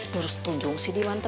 durs tujung sih diwante